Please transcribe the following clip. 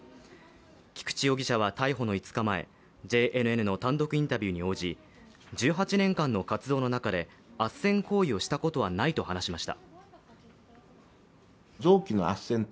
菊池容疑者は逮捕の５日前、ＪＮＮの単独インタビューに応じ１８年間の活動の中であっせん行為をしたことはないと話しました。